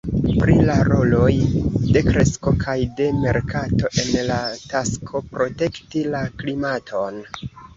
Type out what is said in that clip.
Pri la roloj de kresko kaj de merkato en la tasko protekti la klimaton.